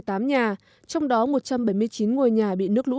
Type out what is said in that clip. trong đó một trăm bảy mươi chín ngôi nhà bị nước lũ